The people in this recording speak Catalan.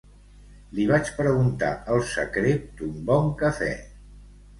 Li vaig preguntar el secret d'un bon cafè.